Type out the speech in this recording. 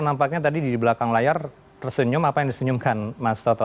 nampaknya tadi di belakang layar tersenyum apa yang disenyumkan mas toto